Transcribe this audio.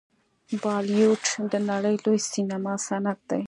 بالیووډ د نړۍ لوی سینما صنعت دی.